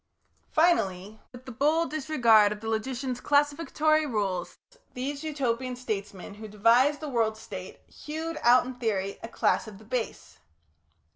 Finally, with a bold disregard of the logician's classificatory rules, these Utopian statesmen who devised the World State, hewed out in theory a class of the Base.